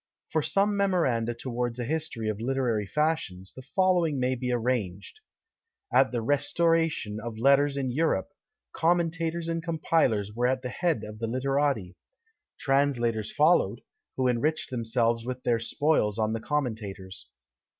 For some memoranda towards a history of literary fashions, the following may be arranged: At the restoration of letters in Europe, commentators and compilers were at the head of the literati; translators followed, who enriched themselves with their spoils on the commentators.